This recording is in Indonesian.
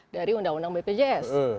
dari undang undang bpjs